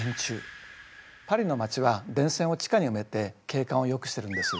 パリの街は電線を地下に埋めて景観をよくしてるんです。